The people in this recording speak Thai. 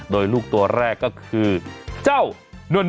โดยลูกตัวแรกก็คือเจ้านวล